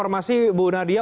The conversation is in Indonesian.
terima kasih bu nadia